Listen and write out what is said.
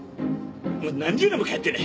もう何十年も帰ってねえ。